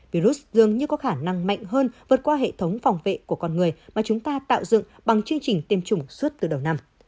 virus dường như có khả năng mạnh hơn vượt qua hệ thống phòng vệ của con người mà chúng ta tạo dựng bằng chương trình tiêm chủng suốt từ đầu năm